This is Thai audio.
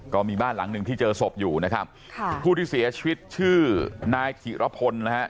ก็มีบ้านหลังหนึ่งที่เจอศพอยู่นะครับค่ะผู้ที่เสียชีวิตชื่อนายถิระพลนะฮะ